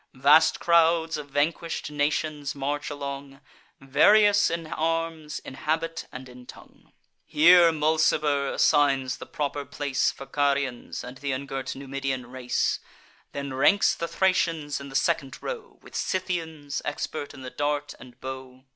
Vast crowds of vanquish'd nations march along, Various in arms, in habit, and in tongue. Here, Mulciber assigns the proper place For Carians, and th' ungirt Numidian race; Then ranks the Thracians in the second row, With Scythians, expert in the dart and bow.